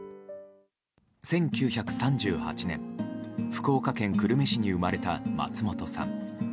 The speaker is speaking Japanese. １９３８年、福岡県久留米市に生まれた松本さん。